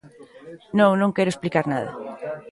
Non, non quero explicar nada.